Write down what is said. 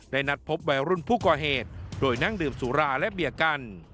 นัดพบวัยรุ่นผู้ก่อเหตุโดยนั่งดื่มสุราและเบียร์กัน